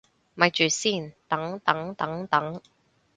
咪住先，等等等等